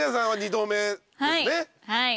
はい。